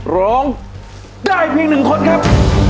ร้องได้เพียง๑คนครับ